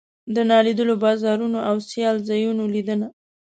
د نالیدلو بازارونو او سیال ځایونو لیدنه.